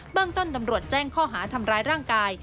เรื่องต้นตำรวจแจ้งข้อหาทำร้ายร่างกาย